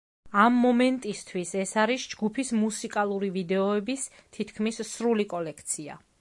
ამ მომენტისთვის ეს არის ჯგუფის მუსიკალური ვიდეოების თითქმის სრული კოლექცია.